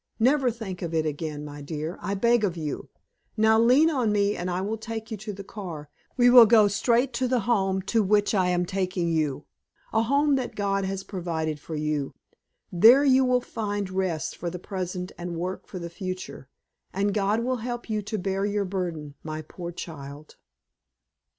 Never think of it again, my dear, I beg of you. Now, lean on me and I will take you to the car; we will go straight to the home to which I am taking you a home that God has provided for you. There you will find rest for the present and work for the future, and God will help you to bear your burden, my poor child."